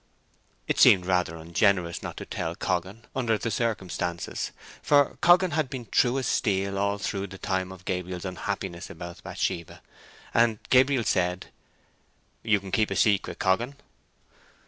It seemed rather ungenerous not to tell Coggan, under the circumstances, for Coggan had been true as steel all through the time of Gabriel's unhappiness about Bathsheba, and Gabriel said, "You can keep a secret, Coggan?"